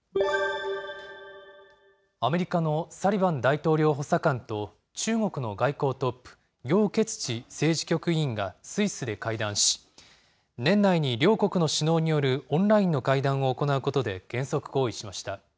アメリカのサリバン大統領補佐官と中国の外交トップ、楊潔チ政治局委員がスイスで会談し、年内に両国の首脳によるオンラインの会談を行うことで原則合意しました。